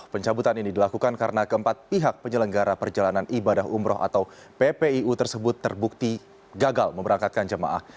pencabutan ini dilakukan karena keempat pihak penyelenggara perjalanan ibadah umroh atau ppiu tersebut terbukti gagal memberangkatkan jemaah